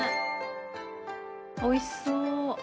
おいしそう。